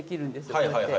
こうやって。